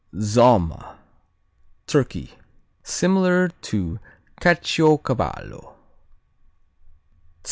Zomma Turkey Similar to Caciocavallo.